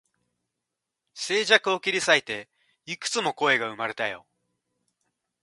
静寂を切り裂いて、幾つも声が生まれたよ